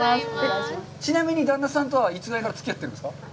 ちなみに旦那さんとはいつぐらいからつき合ってるんですか。